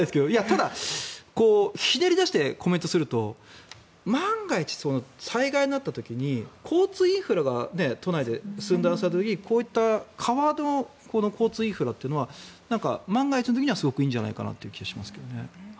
ただ、ひねり出してコメントすると万が一、災害があった時に交通インフラが都内で寸断された時こういった川の交通インフラというのは万が一の時にはすごくいいんじゃないかなという気がします。